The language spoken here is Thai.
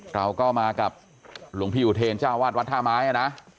เราก็มากับหลวงพี่อุเทรนเจ้าวาดวัดท่าไม้นะ